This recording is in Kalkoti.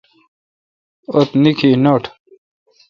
اُتھ نیکھ نٹ۔